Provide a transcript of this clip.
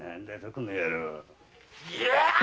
この野郎。